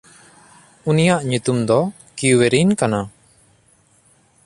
ᱩᱱᱤᱭᱟᱜ ᱧᱩᱛᱩᱢ ᱫᱚ ᱠᱤᱣᱮᱨᱱ ᱠᱟᱱᱟ᱾